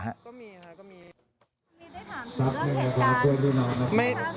ไม่ได้ถามถึงเรื่องเหตุการณ์